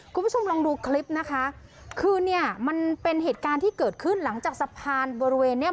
คุณผู้ชมลองดูคลิปนะคะคือเนี่ยมันเป็นเหตุการณ์ที่เกิดขึ้นหลังจากสะพานบริเวณเนี้ย